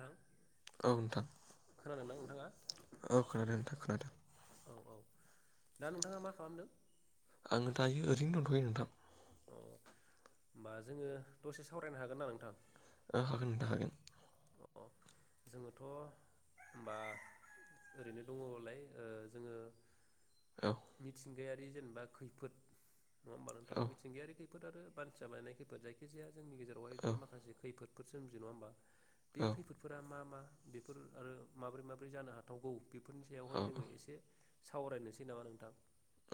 ओ औ नोंथां ओ खोनादों नोंथां खोनादों। औ औ दा नोंथाङा मा खालामदों? आङो दायो ओरैनो दंथ'यो नोंथां। अ होमबा जोङो दसे सावरायनो हागोन नामा नोंथां? ओ हागोन नोंथां हागोन। अ जोङोथ' होनबा ओरैनो दङबालाय ओ जोङो। औ मिथिंगाया रि जेनेबा खैफोद। नङा होमबा नोंथां औ मिथिंगायारि खै बेफोर आरो मानसिया बानायनाय खैफोद जायखि जाया जोंनि गेजेरावहाय औ जे माखासे खैफोद सोमजियो नङा होमबा बे औ खैफोदफोरा मा मा? बेफोर आरो माबोरै माबोरै जानो हाथावगौ? बेफोरनि सायावहाय औ जोङो एसे सावरायनोसै नामा नोंथां?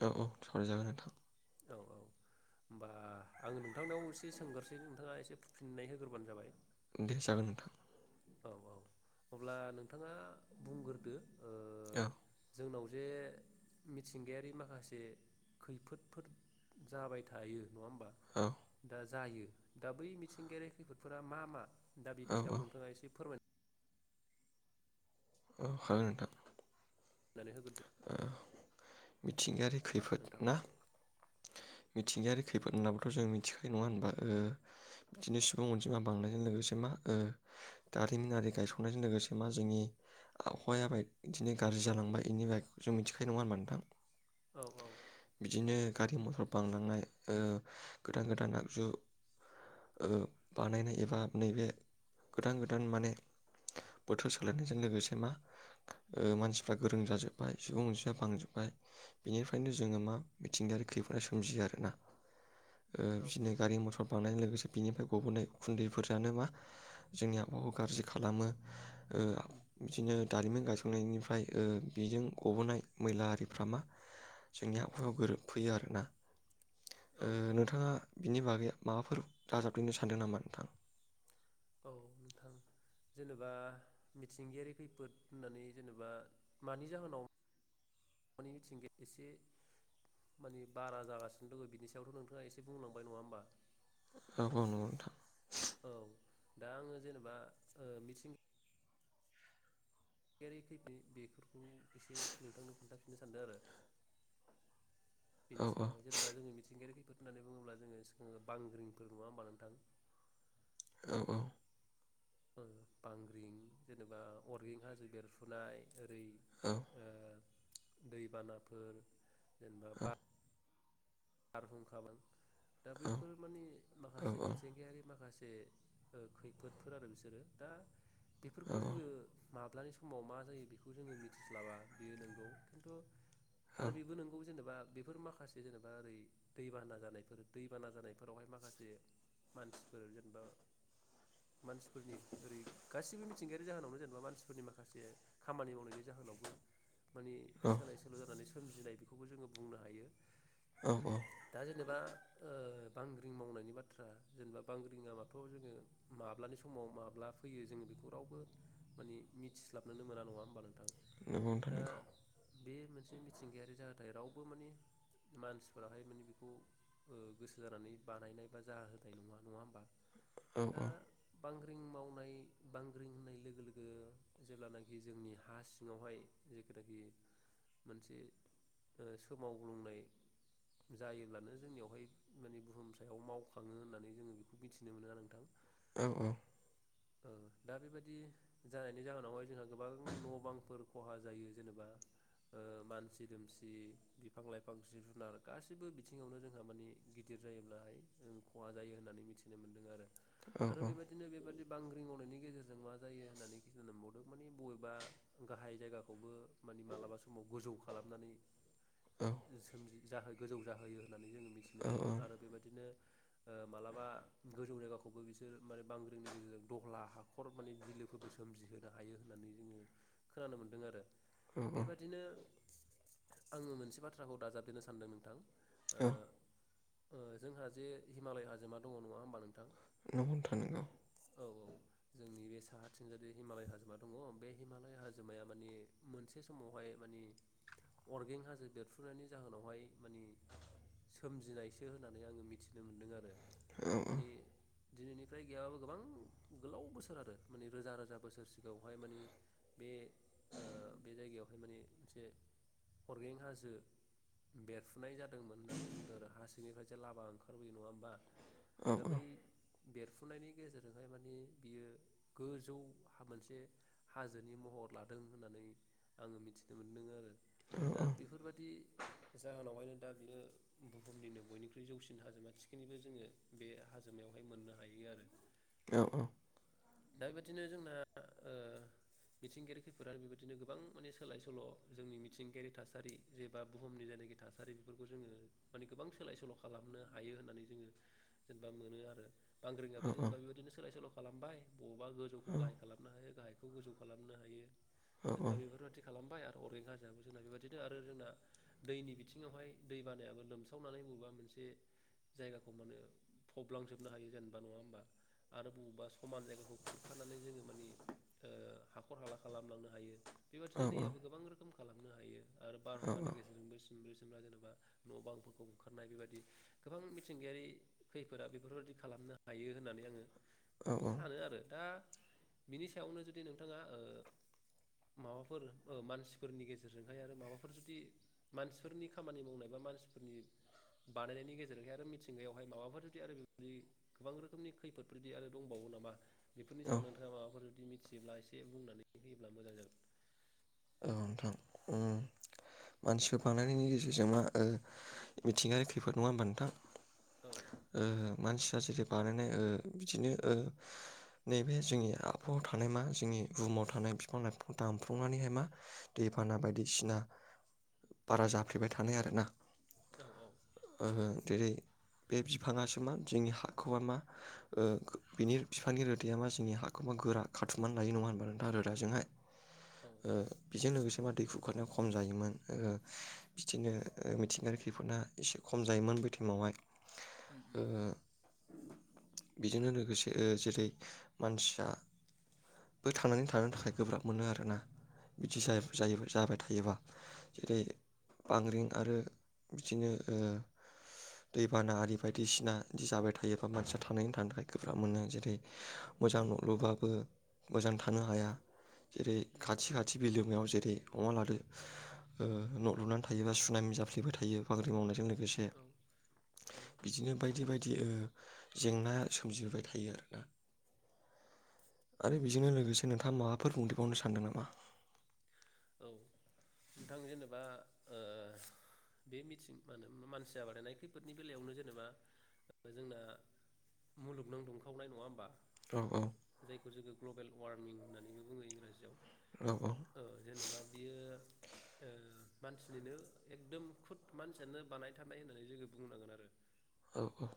औ औ सावराय जागोन नोंथां। औ औ होमबा आं नोंथांनाव एसे सोंगोरसै नोंथाङा एसे फि-फिननाय होग्रोबानो जाबाय। दे जागोन नोंथां। औ औ अब्ला नोंथाङा बुंग्रोदो ओ औ। जोंनाव जे मिथिंगायारि माखासे खैफोद जाबाय थायो नङा होमबा औ। दा जायो दा बै मिथिंगायारि खैफोदफोरा मा मा? दा औ बिनि औ सायाव नोंथाङा एसे फोरमायनो औ हागोन नोंथां। नानै होगोर ओ मिथिंगायारि नामा नोंथां खैफोदना? मिथिंगायारि खैफोद होनब्लाथ' जों मिथिखायो नङा होनबा बिदिनो सुबुं अनजिमा बांनायजों लोगोसे मा दारिमिनारि गायसंनायजों लोगोसे मा जोंनि आबहावाया बाय बिदिनो गाज्रि जालांबाय बेनि जों मिथिखायो नङा होनबा नोंथां। औ औ। बिदिनो गारि मथर बांलांनाय गोदान गोदान आगजु बानायनाय एबा नैबे गोदान गोदान माने बोथोर सोलायनायजों लोगोसे मा मानसिफ्रा गोरों जाजोब। सुबुं अनजिया बांजोब्बाय बिनिफ्रायनो जोङो मा मिथिंगायारि खैफोदा सोमजियो आरोना। औ बिदिनो गारि मटर बांनाय लोगोसे बिनिफ्राय गबोननाय उखुन्दैफोरानो मा जोंनि आबहाखौ गाज्रि खालामो। उम बिदिनो दारिमिन गाइसंनाय। गायसंनायनिफ्राय बेजों गबोनाय मैला आरिफ्रा मा जोंनि आबहायाव गोरोब फैयो आरोना। औ औ नोंथाङा बिनि बागै माबाफोर दाजाब देरनो सानदों नामा नोंथां। औ नोंथां जेनेबा मिथिंगायारि खैफोद होननानै जेनेबा मानि जाहोनाव। [unintelligible] मिथिंगाया एसे माने बारा जागासिनो दंङ बिनि सायावथ' नोंथाङा एसे बुंलांबाय नंङा होमबा औ नंगौ नोंथां औ दा आंङो जेनेबा मिथिंग गायारि खैफोद बेखौ एसे नोंथांनो खोनथागोन बिनो सन्देह आरो औ बिनि सायावहाय जेनेबा जोंनि मिथिंगायारि गफोर होननानै बुंङोब्ला [unintelligible] सि बांग्रिंफोर नङा होमबा नोंथां औ औ बांग्रिं जेनेबा अरगेंहाजो बेरफुनाय ओरै दैबानाफोर जेनेबा बा बारहुंखा [unintelligible] दा बैफोर माने माखासे मिथिंगायारि माखासे बे खैफोदफोर आरो बिसोरो दा बेफोरखौ जोंङो माब्लानि समाव मा जायो बेखौ जोंङो मिथिस्लाबा बेयो नंगौ खिन्थु आरो बेबो नोंगौ जेनेबा बेफोर माखासे जेनेबा [unintelligible] ओरै दैबाना जानायफोर दैबाना जानायफोरावहाय माखासे मानसिफोर जेनेबा मानसिफोरनि ओरै गासिबो मिथिंगायारि जाहोनावनो जेनेबा मानसिफोरनि माखासे खामानि मावनायनि जाहोनावबो माने सोलाय सोल' जानानै सोमजिनाय बेखौबो जोंङो बुंनो हायो औ औ दा जेनेबा ओ बांग्रिं मावनायनि बाथ्रा जेनेबा बांग्रिं मावथ' जोंङो माब्लानि समाव माब्ला फैयो जोंङो बेखौ रावबो माने मिथिस्लाबनोनो मोना नङा होमबा नोंथां? नं गौ नोंथां दा नंगौ बे मोनसे मिथिंगायारि जाहाथाय रावबो माने मानसिफोराहाय माने बेखौ गोसो जानानै बानायनाय बा जाह होनोनाय नङा नङा होमबा औ दा औ बांग्रिं मावनाय बांग्रिं होननाय लोगो लोगो जेब्लानाखि जोंनि हा सिङावहाय जेखनाखि मोनसे सोमावग्लुंनाय जायोब्लानो जोंनियावहाय माने बुहुम सायाव मावखाङो होननानै जोंङो बेखौ मिथिनो मोना नोंथां। औ औ दा बेबायदि जानायनि जाहोनावहाय जोंहा गोबां न' बांफोर खहा जायो जेनेबा ओ मानसि दुमसि बिफां लाइफां जिब जुनार गासैबो बिथिङावनो जोंहा मानिे गिदिर जायोब्लाहाय खहा जायो होननानै मिथिनो मोन्दों आरो औ आरो बेबायदिनो बेबादिनो बांग्रिं मावनायनि गेजेरजों मा जायो होननानै खिनानै मोनबावदों माने बबेबा गाहाय जायगाखौबो माने मालाबा समाव गोजौ खालामनानै सोमजि जाहो गोजौ जाहोयो। होननानै जोंङो मिथिनो मोन्दों आरो बेबायदिनो मालाबा गोजौ जायगाखौबो बिसोर माने बांग्रिनि गेजेरजों दहला हाखर माने बिलोफोरबो सोमजिहोनो हायो होननानै जोङो खोनानो मोन्दों आरो औ औ बेबायदिनो आंङो मोनसे बाथ्राखौ दाजाबदेरनो सानदों नोंथां ओ औ जोंहा जे हिमालय हाजोमा दङ नङा होमबा नोंथां नंगौ नोंथां नंगौ औ औ जोंनि बे साहाथिंजाय हिमालय हाजोमा दङ बे हिमालय हाजोमाया माने मोनसे समावहाय माने अरगें हाजो देरफ्रुनायनि जाहोनावहाय माने सोमजिनायसो होननानै आंङो मिथिनो मोन्दों आरो औ मानि दिनैनिफ्राय गैयाबाबो गोबां गोलाव बोसोर आरो माने रोजा रोजा बोसोर सिगाङावहाय माने बे बे जायगायावहाय माने मोनसे अर्गेंनिक हाजो बेरफुनाय जादोंमोन होननानै बुंदों आरो हाोनिफ्राय जे लालामा ओंखारबोयो नङा होमबा औ औ दाबै बेरफुनायनि गेजेरजों बे बादि बेयो गोजौ हा मोनसे हाजोनि महर लादों होननानै आंङो मिथिनो मोनदों आरो। दा बेफोरबायदि जाहोनावहाय दा बियो बुहुमनिनो बयनिख्रुइ जौसिन हाजोमा थिखिनिबो जोंङो बे हाजोमायावहाय मोननो हायो आरो औ औ दा बेबायदिनोना जोंना ओ मिथिंगायारि खैफोदा बेबायदिनो गोबां माने सोलाय सोल' जोंनि मिथिंगायारि थासारि जेबा बुहुमनि जायनाखि थासारि बेफोरखौ जोंङो माने गोबां सोलाय सोल' खालामनो हायो होननानै जोंङो जेनेबा मोनो आरो। बांग्रिंङाबो जेनबा बेबायदिनो सोलाय सोल' खालामबाय बबेबा गोजौखौ गाहाय खालामनो हायो गाहाय गोजौ खालामनो हायो जेनेबा बेफोरबायदि खालामबाय आरो अरगेंक हाजोआबो जोंना बेबायदिनो आरो जोंना दैनि बिथिङावहाय दै बानायाबो लोमसावनानै बबेबा मोनसे जायगाखौ माने फबलांजोबनो हायो जेनेबा नङा होमबा आरो बबावबा समान जायगाखौ खुरखानानै जोङो मानि हाखर हाला खालामलांनो हायो बेबायदिनो दैयाबो गोबां रोखोम खालामनो हायो आरो बारहुंखानि गेजेरजोंबो बिसोमब्रा जेनेबा न' बांफोरखौ ओंखारनाय बेबायदि गोबां मिथिंगायारि खैफोदा बेफोरबायादि खालामनो हायो होननानै आङो औ सानो आरो दा बिनि सायावनो जुदि नोंथाङा माबाफोर मानसिफोरनि गेजेरजोंहाय आरो माबाफोर जुदि मानसिफोरनि खामानि मावनाय बा मानसिफोरनि बानायनायनि गेजेरजोंहाय आरो मिथिंगायावहाय माबाफोर जुदि आरो बेबायदि गोबां रोखोमनि खैफोद बेदि आरो दंबावो नामा बेफोरनि औ सायाव नोंथाङा माबाफोर बिदि मिथियोब्ला एसे बुंनानै होयोब्ला मोजां जागोन औ नोंथां मानसिफोर बानायनायनि गेजेरजों मा मिथिंगायारि खैफोद नङा होमबा नोंथां औ मानसिया जेरै बानायनाय ओ बिदिनो ओ नैबे जोंनि आबहावा थानाय मा जोंनि बुहुमाव थानाय बिफां लाइफां दानफ्रावनानैहाय मा दैबाना बायदिसिना बारा जाफ्लेबाय थानाय आरोना औ आङो जेरै बे बिफाङासोमा जोंनि हाखौबा मा ओ बिनि बिफांनि रोदाया मा जोंनि हाखौबा गोरा खाथुमनानै लायो नङा होनबा नोंथां रोदाजोंहाय औ ओ बेजों लोगोसे मा दै खुरखानाया खम जायोमोन ओ बिदिनो मिथिंगानि खैफोदा एसे खम जायोमोन बे टाइमावहाय ओ बेजोंनो लोगोसे जेरै मानसिया बो थांनानै थानो थाखाय गोब्राब मोनो आरोना बिदि जायफ-जायोफो जाबाय थायोबा उम जेरै बांग्रिं आरो बिदिनो ओ दैबाना आरि बायदिसिना दि जाबाय थायोबा मानसिया थांनानै थानो थाखाय गोब्राब मोनो जेरै मोजां न'लुबाबो मोजां था- थानो हाया जेरै उम खाथि खा- याव जेरै अमा लादो ओ न' लुनानै थायोबा सुुनामि जाप्लेबाय थायो बांग्रिं मावनायजोंनो लो- गोसे औ उम उम बिदिनो बायदि बायदि ओ जेंनाया सोमजिबाय थायो आरोना आरो उम बेजोंनो लोगोसे नोंथाङा माबाफोर बुंदेबावनो सानदों नामा औ नोंथां जेनेबा ओ बे मिथिं माहोन मानसिया बादायनाय खैफोदनि बेलायावनो जेनेबा जोंना मुलुगनां दुंखावनाय नङा होमबा औ औ जायखौ जोङो ग्ल'बेल वार्मिं होननानैबो बुङो इंराजियाव नंगौ ओ जेनेबा बियो ओ मानसिनिनो एकदम खुद मानसियानो बानाय थारनाय होननानै जोङो बुंनांगोन आरो औ औ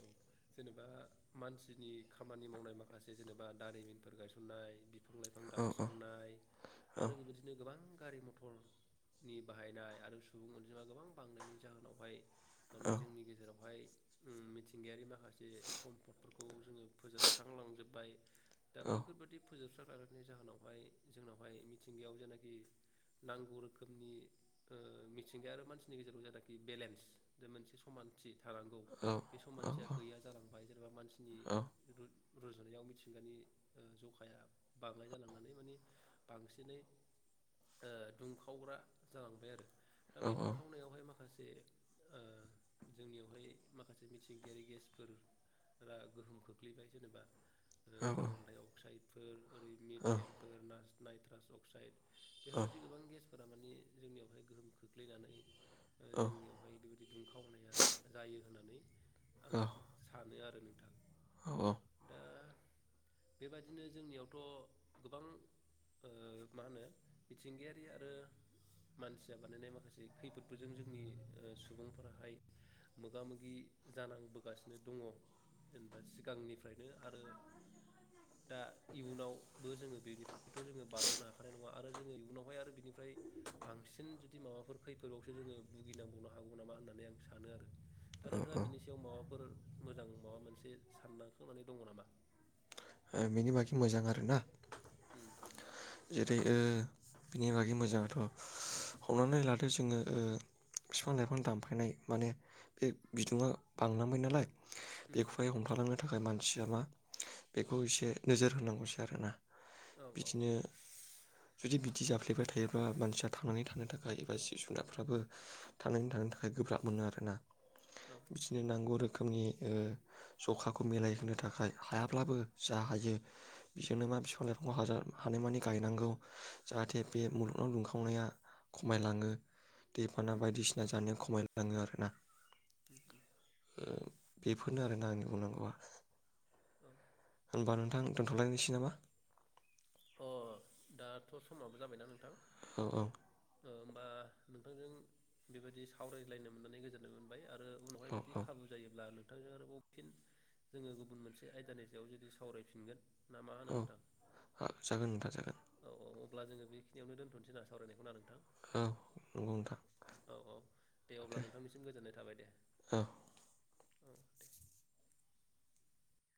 औ जेनेबा मानसिनि खामानि मावनाय माखासे जेनेबा दारिमिनफोर गायसननाय बि- बिफां लाइफां दानस्रांनाय आरो बेबायदिनो गोबां गारि मथरनि बाहायनाय आरो सुबुं अनजिमा गोबां बांनायनि जाहोनावहाय माने जोंनि गेजेरावहाय उम मिथिंगायारि माखासे सम्फदफोरखौ जोङो फोजोबस्रांलांजोबबाय दा बैफोरबादि फोजोबस्रांलांनायनि जाहोनावहाय जोंनावहाय मिथिंगायाव जेनाखि नांगौ रोखोमनि ओ मिथिंगाया आरो मानसिनि गेजेराव जेनाखि बेलेन्स मोनसे समानथि थानांगौ बे समानथिया गैया जालां बाय जेनेबा मानसि नि [unintelligible] रुजुनायाव मिथिंगानि ओ जखाया बांनाइ जालांनानै माने बांसिनै ओ दुंखावग्रा जालांबाय आरो दा बे दुंखावनायावहाय माखास ए ओ जोंनियावहाय माखासे मिथिंगायारि गेसफोर रा गोहोम खोख्लैबाय जेनेबा आरो कार्बन -डाइ- अक्साइड [unintelligible] ओरैनो टेमपोर नास नाइट्रास अक्साइड बेफोरबादि गोबां गेस फोरा माने जोंनियावहाय गोहोम खोख्लैनानै जोंनियावहाय बेबायदि दुंखावनाया जायो होननानै आङो सानो आ नोंथां औ औ दा बेबादिनो जोंनियावथ' गोबां ओ मा होनो मिथिंगायारि आरो मानसिया बानायनाय माखासे खैफोदफोरबो जों जोंनि ओ सुबुंफोराहाय मोग मोगा मोगि जानांबोगासिनो दङ' जेनेबा सिगांनिफ्रायनो आरो दा इयुनावबो जोङो बेनिफ्रायथ' जोङो बारग'नो हाखानाय नङा आरो जोङो इयुनावहाय आरो बिनिफ्राय बांसिन जुदि माबाफोर खैफोदावसो जोङो भुगिनांबावनो हागौ नामा होननानै आं सानो आरो दा नोंथाङा बिनि सायाव माबा फोर मोजां माबा मोनसे साननांफो माने दङ' नामा ओ बेनि बाखि मोजां आरोना उम जेरै ओ बिनि बागै मोजाङाथ' हमनानै लादो जोङो ओ फिफां -लाइफां दानफायनाय माने बे बिदुङा बांनांबाय नालाय उम बेखौहाय हमथालाङो थाखाय मानसिया मा बेखौ एसे नोजोर होनांगौसै आरोना औ औ औ बिदिनो जुदि बिदि जाफ्लेबाय थायोब्ला मानसिया थांनानै थानो थाखाय एबा जिब- जुनारफ्राबो थांनानै थानो थाखाय गोब्राब मोनो आरोना औ बिदिनो नांगौ रोख रोखोमनि ओ जखाखौ मिलायहोनो थाखाय हायाब्लाबो जा हायो बेजोंनो मा बिफां लायफां हाजार हानायमानि गायनांगौ जाहाथे बे मुलुगनाव दुंखावनाया खमायलाङो दैबाना उम बायदिसिना जानाया खमाय लाङो आरोना उम औ बेफोरनो आरोना आंनि बुंनांगौआ उम होनबा नोंथां दोनथलायनोसै नामा? अ दाथ समाबो जाबायना नोंथां? औ औ ओ होमबा नोंथांजों बेबायदि सावरायलायनो मोननानै गोजोननाय मोनबाय आरो रो उनावहाय जुदि औ खाबु जायोब्ला नों नोंथांजों आरोबाव फिन जोङो गुबुन मोनसे आयदानि सायाव जुदि सावरायफिनगोन ना मा होनो औ नोंथां? औ जागोन नोंथां जागोन औ औ अब्ला जोङो बेखिनियावनो दोनथसै ना सावरायनायखौ ना नोंथां? औ नंगौ नोंथां औ औ दे अब्ला नोंथांनिसिम गोजोननाय थाबाय दे औ औ दे